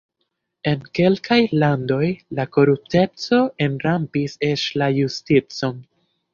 En kelkaj landoj la korupteco enrampis eĉ la justicon.